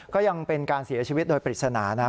ก็ยังเป็นการเสียชีวิตโดยปริศนานะครับ